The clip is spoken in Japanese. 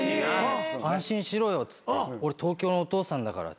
安心しろよっつって俺東京のお父さんだからっつって。